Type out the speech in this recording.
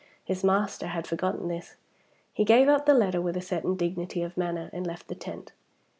His master had forgotten this. He gave up the letter with a certain dignity of manner, and left the tent.